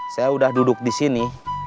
saya sudah duduk di sini